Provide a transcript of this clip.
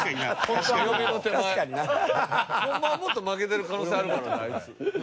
ホンマはもっと負けてる可能性あるからなあいつ。